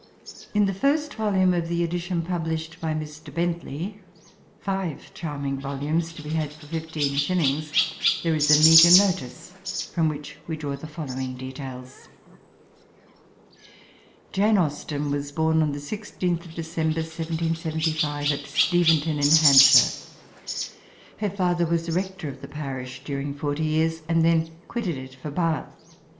In the first volume of the edition published by Mr. Bentley (five charming volumes, to be had for fifteen shillings^ there is a meagre Dotice, from which we draw the following details. Jane Austen was bom on the 16th December 1775, at Steventon in Hampshire. Her father was rector of the parish during forty years, and then quitted it for Bath.